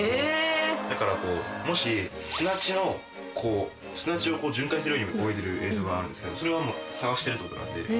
だから砂地を巡回するように泳いでる映像があるんですけどそれはもう探してるってことなんで。